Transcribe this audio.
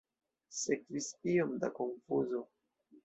Sekvis iom da konfuzo.